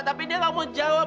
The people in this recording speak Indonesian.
tapi dia nggak mau jawab